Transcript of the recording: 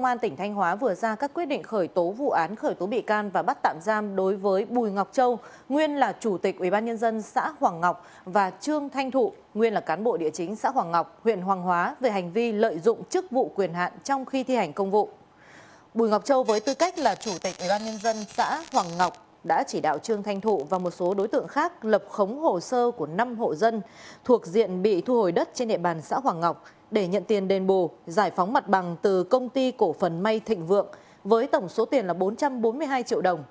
bùi ngọc châu với tư cách là chủ tịch ủy ban nhân dân xã hoàng ngọc đã chỉ đạo trương thanh thụ và một số đối tượng khác lập khống hồ sơ của năm hộ dân thuộc diện bị thu hồi đất trên địa bàn xã hoàng ngọc để nhận tiền đền bù giải phóng mặt bằng từ công ty cổ phần may thịnh vượng với tổng số tiền là bốn trăm bốn mươi hai triệu đồng